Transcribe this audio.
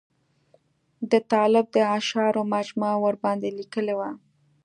د طالب د اشعارو مجموعه ورباندې لیکلې وه.